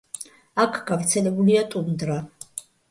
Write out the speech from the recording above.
აქ გავრცელებულია ტუნდრა.